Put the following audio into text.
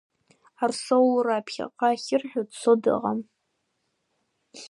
Арсоу Ура, ԥхьаҟа ахьырҳәо дцо дыҟам.